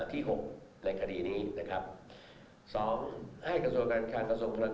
ที่๖ในคดีนี้นะครับสองให้กระส่วนการคารกระส่วนพลัง